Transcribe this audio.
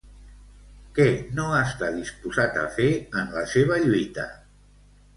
Què no està disposat a fer en la seva lluita?